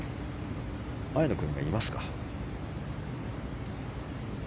前の組がいますか。